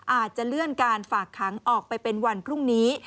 อาจจะเลื่อนการฝากขังออกไปเป็นวันพรุ่งนี้